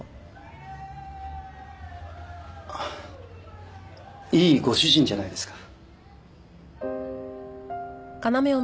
あっいいご主人じゃないですか。